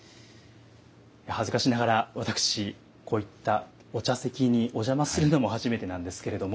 恥ずかしながら私こういったお茶席にお邪魔するのも初めてなんですけれども。